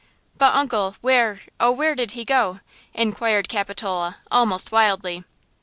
"But, uncle, where–oh, where did he go?" inquired Capitola, almost wildly.